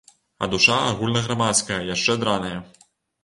А душа агульнаграмадская яшчэ драная!